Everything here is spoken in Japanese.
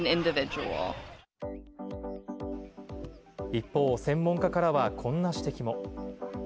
一方、専門家からはこんな指摘も。